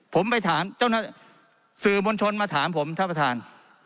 ผมไปถามสื่อมวลชนมาถามผมท่านประธาน